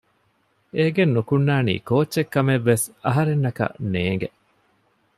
އޭގެން ނުކުންނާނީ ކޯއްޗެއް ކަމެއްވެސް އަހަރެންނަކަށް ނޭނގެ